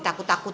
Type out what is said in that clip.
gak ada pasien